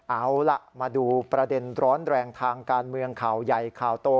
เอาล่ะมาดูประเด็นร้อนแรงทางการเมืองข่าวใหญ่ข่าวโต